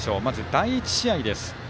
第１試合です。